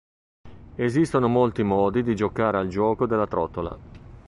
Esistono molti modi di giocare al gioco della trottola.